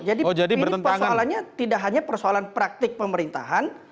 jadi ini persoalannya tidak hanya persoalan praktik pemerintahan